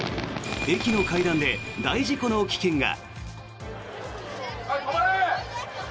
駅の階段で大事故の危険が。